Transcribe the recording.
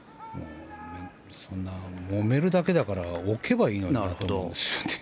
そんな、もめるだけだから置けばいいのにと思うんですよね。